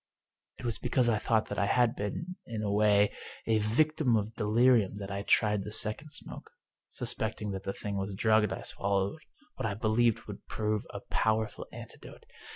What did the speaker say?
It was because I thought that I had been, in a way, a victim of delirium that I tried the second smoke. Suspecting that the thing was drugged I swallowed what I believed would prove a powerful antidote.